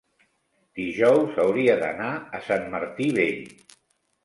dijous hauria d'anar a Sant Martí Vell.